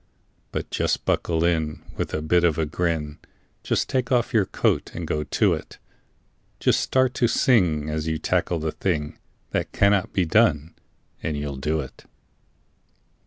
But just buckle in with a bit of a grin, Just take off your coat and go to it; Just start in to sing as you tackle the thing That "cannot be done," and you'll do it.